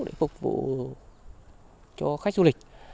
để phục vụ cho khách du lịch